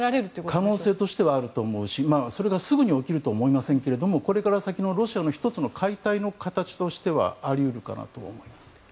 可能性としてはあると思うしそれがすぐに起きるとは思いませんがこれから先のロシアの１つの解体の形としてはあり得るかなとは思います。